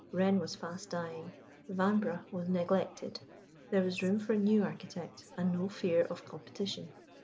Wren was fast dying; Vanbrugh was neglected; there was room for a new architect, and no fear of competition.